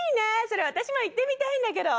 それ私も行ってみたいんだけど。